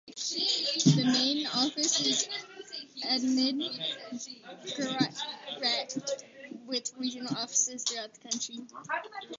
The main office is in Anand, Gujarat with regional offices throughout the country.